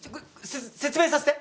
説明させて！